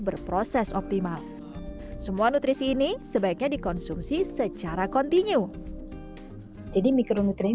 berproses optimal semua nutrisi ini sebaiknya dikonsumsi secara kontinu jadi mikronutrin